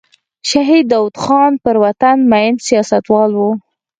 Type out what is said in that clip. شهید داود خان پر وطن مین سیاستوال و.